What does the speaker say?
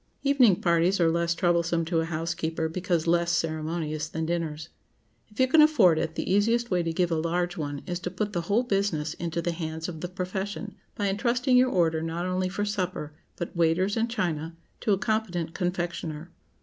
Evening parties are less troublesome to a housekeeper, because less ceremonious than dinners. If you can afford it, the easiest way to give a large one is to put the whole business into the hands of the profession, by intrusting your order, not only for supper, but waiters and china, to a competent confectioner.